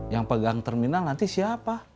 yang pegang terminal nanti siapa